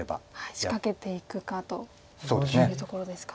仕掛けていくかというところですか。